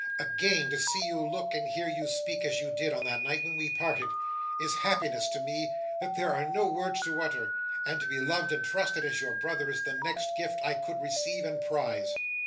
Again to see you look, and hear you speak, as you did on that night when we parted, is happiness to me that there are no words to utter; and to be loved and trusted as your brother, is the next gift I could receive and prize!"